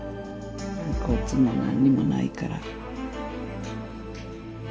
遺骨も何にもないから。